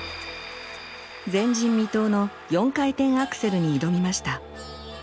前人未到の４回転アクセルに挑みました。